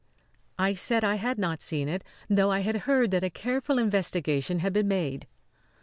I said I had not seen it, though I had heard that a careful investigation had been made.